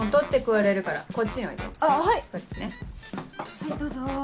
はいどうぞ。